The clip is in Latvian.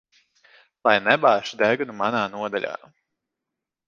Lai nebāž degunu manā nodaļā.